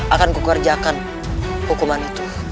akan kukerjakan hukuman itu